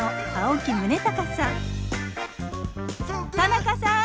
田中さん！